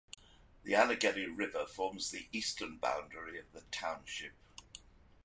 The Allegheny River forms the eastern boundary of the township.